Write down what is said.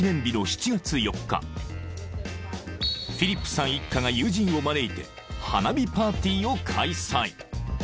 ［フィリップさん一家が友人を招いて花火パーティーを開催］